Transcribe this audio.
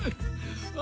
あ！